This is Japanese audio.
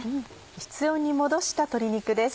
室温に戻した鶏肉です。